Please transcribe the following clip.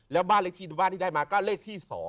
แล้วบ้านที่ได้มาก็เลขที่๒